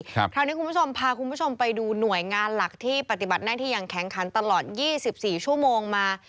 คราวนี้คุณผู้ชมพาคุณผู้ชมไปดูหน่วยงานหลักที่ปฏิบัติหน้าที่อย่างแข็งขันตลอด๒๔ชั่วโมงมา